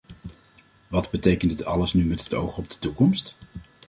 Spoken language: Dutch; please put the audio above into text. Wat betekent dit alles nu met het oog op de toekomst?